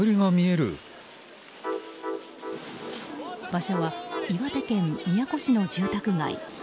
場所は岩手県宮古市の住宅街。